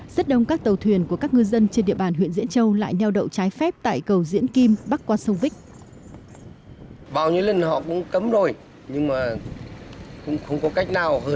rất đông các tàu thuyền của các ngư dân trên địa bàn huyện diễn châu lại neo đậu trái phép tại cầu diễn kim bắc qua sông vích